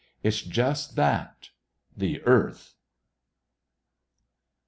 It's just that the Earth!